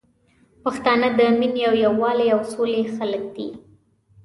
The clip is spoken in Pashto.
پښتانه د مينې او یوالي او سولي خلګ دي